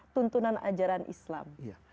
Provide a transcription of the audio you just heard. tuntunan ajaran islam